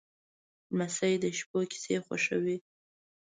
لمسی د شپو کیسې خوښوي.